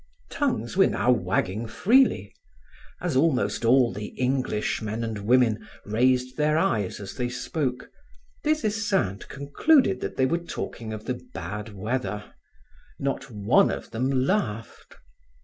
Tongues were now wagging freely. As almost all the English men and women raised their eyes as they spoke, Des Esseintes concluded that they were talking of the bad weather; not one of them laughed.